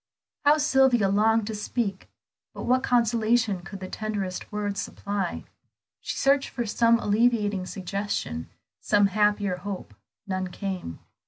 How Sylvia longed to speak! But what consolation could the tenderest words supply? She searched for some alleviating suggestion, some happier hope; none came.